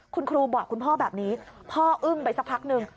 คุณครูบอกคุณพ่อแบบนี้พ่ออึ้งไปสักพักนึง